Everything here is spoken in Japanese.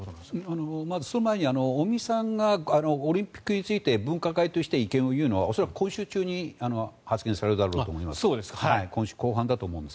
まずその前に尾身さんがオリンピックについて分科会として意見を言うのは、恐らく今週中に発言されると思います。